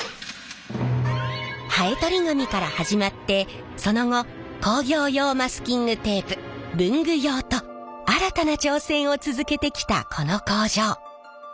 ハエとり紙から始まってその後工業用マスキングテープ文具用と新たな挑戦を続けてきたこの工場。